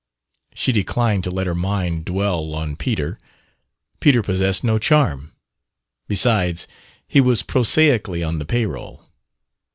She declined to let her mind dwell on Peter. Peter possessed no charm. Besides, he was prosaically on the payroll.